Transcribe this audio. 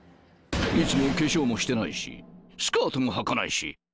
いつも化粧もしてないしスカートもはかないし。